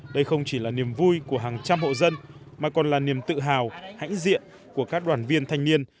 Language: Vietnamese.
đây không chỉ là niềm vui của hàng trăm hộ dân mà còn là niềm tự hào hãnh diện của các đoàn viên thanh niên